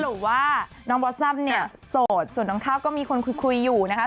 หรือว่าน้องบอสซัมเนี่ยโสดส่วนน้องข้าวก็มีคนคุยอยู่นะคะ